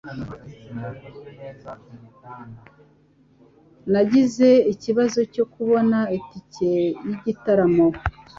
Nagize ikibazo cyo kubona itike yigitaramo.